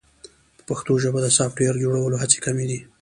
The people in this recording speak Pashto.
په پښتو ژبه د سافټویر جوړولو هڅې کمې دي.